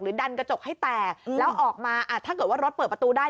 ดันกระจกให้แตกแล้วออกมาอ่ะถ้าเกิดว่ารถเปิดประตูได้